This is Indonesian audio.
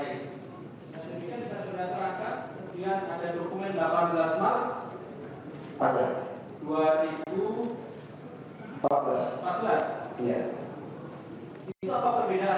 itu formulasi gimana